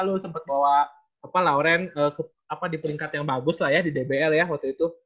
lalu sempat bawa lauren di peringkat yang bagus lah ya di dbl ya waktu itu